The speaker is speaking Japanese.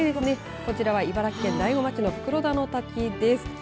こちらは茨城県の袋田の滝です。